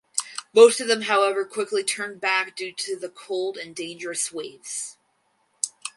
Most of them however quickly turned back due to the cold and dangerous waves.